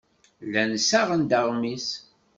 Llan ssaɣen-d aɣmis.